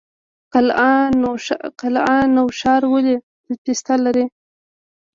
قلعه نو ښار ولې پسته لري؟